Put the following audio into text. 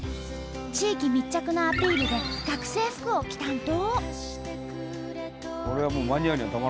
地域密着のアピールで学生服を着たんと！